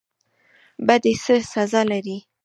بدی څه سزا لري؟